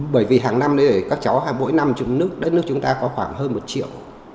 bởi vì hàng năm đấy các cháu mỗi năm đất nước chúng ta có khoảng hơn một triệu